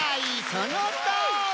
そのとおり！